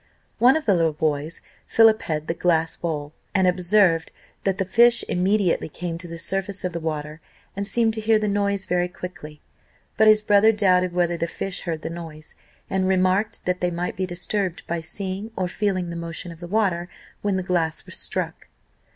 One of the little boys filliped the glass globe, and observed, that the fish immediately came to the surface of the water, and seemed to hear the noise very quickly; but his brother doubted whether the fish heard the noise, and remarked, that they might be disturbed by seeing or feeling the motion of the water, when the glass was struck.